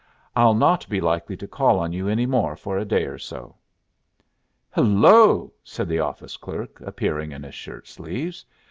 "I'll not be likely to call on you any more for a day or so." "Hello!" said the office clerk, appearing in his shirt sleeves.